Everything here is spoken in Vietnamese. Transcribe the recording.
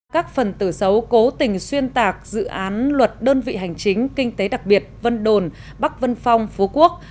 các phần tử xấu cố tình xuyên tạc dự án luật đơn vị hành chính kinh tế đặc biệt vân đồn bắc vân phong phú quốc